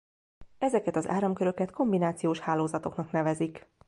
Ezeket az áramköröket kombinációs hálózatoknak nevezik.